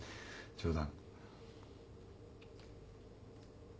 冗談。